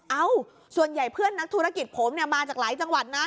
เอ้าส่วนใหญ่เพื่อนนักธุรกิจผมเนี่ยมาจากหลายจังหวัดนะ